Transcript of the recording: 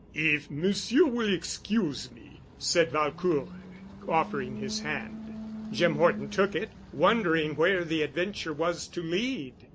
"If Monsieur will excuse me——" said Valcourt, offering his hand. Jim Horton took it, wondering where the adventure was to lead.